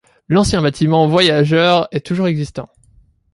L'ancien bâtiment voyageurs est toujours existant.